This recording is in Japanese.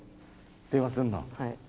電話すんの？